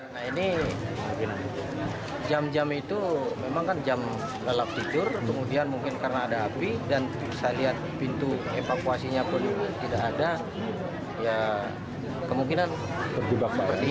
nah ini jam jam itu memang kan jam lelap tidur kemudian mungkin karena ada api dan saya lihat pintu evakuasinya pun tidak ada ya kemungkinan terjebak